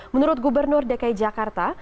menurut gubernur dki jakarta